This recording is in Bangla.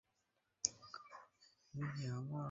তাহার মা দুজনকে এক জায়গায় খাইতে দিয়া অজয়ের পরিচয় লইতে বসিল।